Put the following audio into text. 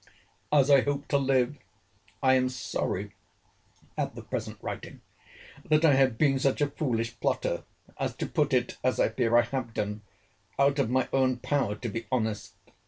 "As I hope to live, I am sorry, (at the present writing,) that I have been such a foolish plotter, as to put it, as I fear I have done, out of my own power to be honest.